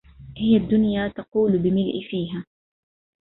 هي الدنيا تقول بملء فيها